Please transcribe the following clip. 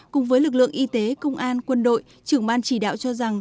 cùng với lực lượng y tế công an quân đội trưởng ban chỉ đạo cho rằng